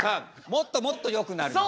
もっともっとよくなります。